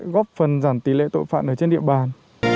góp phần giảm tỷ lệ tội phạm ở trên địa bàn